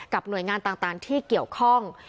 หน่วยงานต่างที่เกี่ยวข้อง